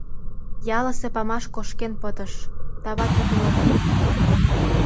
Ялысе памаш кошкен пытыш, тават вӱдым ок пу.